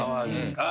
ああ。